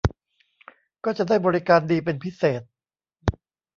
ก็จะได้บริการดีเป็นพิเศษ